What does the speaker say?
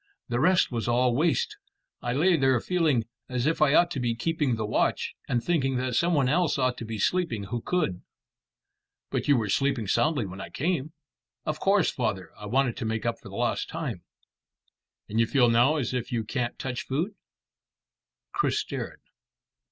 The rest was all waste, and I lay there feeling as if I ought to be keeping the watch, and thinking that some one else ought to be sleeping who could." "But you were sleeping soundly when I came." "Of course, father. I wanted to make up for lost time." "And you feel now as if you can't touch food?" Chris stared.